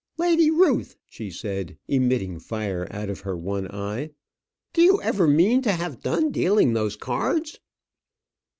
"Lady Ruth," she said, emitting fire out of her one eye, "do you ever mean to have done dealing those cards?"